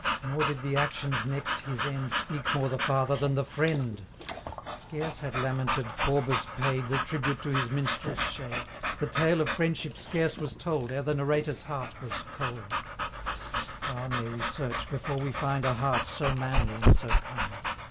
Nor did the actions next his end, 130 Speak more the father than the friend: Scarce had lamented Forbes paid The tribute to his Minstrel's shade; The tale of friendship scarce was told, Ere the narrator's heart was cold 135 Far may we search before we find A heart so manly and so kind!